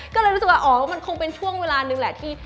ก็เลยรู้สึกว่าอ๋อมันคงเป็นช่วงเวลานึงแหละที่